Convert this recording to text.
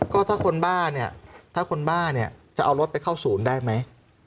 ก็ถ้าคนบ้าจะเอารถไปเข้าศูนย์ได้ไหม